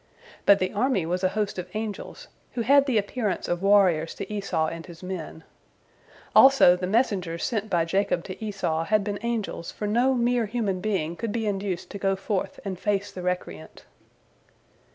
But the army was a host of angels, who had the appearance of warriors to Esau and his men. Also the messengers sent by Jacob to Esau had been angels, for no mere human being could be induced to go forth and face the recreant.